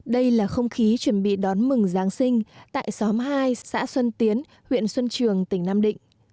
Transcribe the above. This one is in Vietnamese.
đây là không khí chuẩn bị đón mừng giáng sinh tại xóm hai xã xuân tiến huyện xuân trường tỉnh nam định